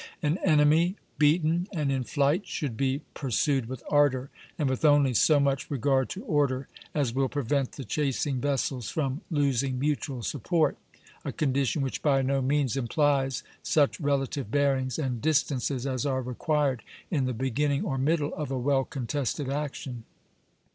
An enemy beaten and in flight should be pursued with ardor, and with only so much regard to order as will prevent the chasing vessels from losing mutual support, a condition which by no means implies such relative bearings and distances as are required in the beginning or middle of a well contested action.